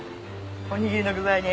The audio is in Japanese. おにぎりの具材に？